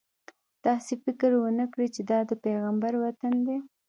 داسې فکر ونه کړې چې دا د پیغمبر وطن دی.